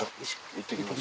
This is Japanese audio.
いってきます。